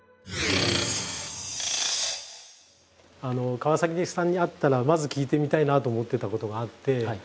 川さんに会ったらまず聞いてみたいなと思ってたことがあって。